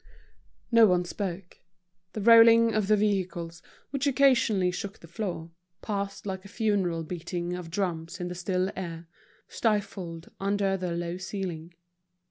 No one spoke. The rolling of the vehicles, which occasionally shook the floor, passed like a funereal beating of drums in the still air, stifled under the low ceiling.